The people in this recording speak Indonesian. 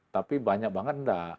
tapi banyak banget tidak